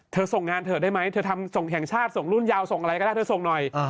ส่งงานเถอะได้ไหมเธอทำส่งแห่งชาติส่งรุ่นยาวส่งอะไรก็ได้เธอส่งหน่อย